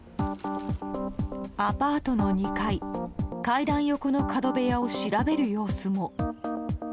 アパートの２階階段横の角部屋を調べる様子も。